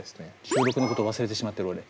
収録のこと忘れてしまってる俺。